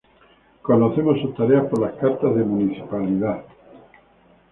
Conocemos sus tareas por las cartas de municipalidad.